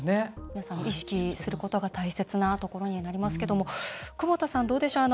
皆さん意識することが大切なところになりますけども久保田さん、どうでしょう。